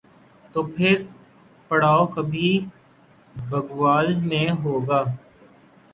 تو پھر پڑاؤ کبھی بھگوال میں ہو گا۔